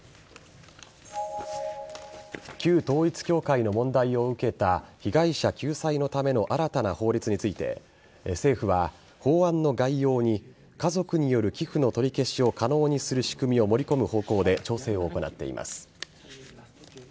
旧統一教会の問題を受けた被害者救済のための新たな法律について政府は法案の概要に家族による寄付の取り消しを可能にする仕組みを盛り込む方向で調整を行っています。